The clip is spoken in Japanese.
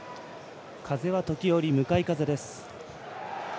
風は時折向かい風です。